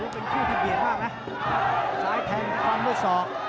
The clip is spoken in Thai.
เป็นคู่ที่เบียดมากนะซ้ายแทงฟันด้วยศอก